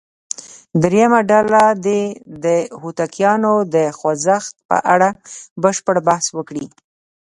درېمه ډله دې د هوتکیانو د خوځښت په اړه بشپړ بحث وکړي.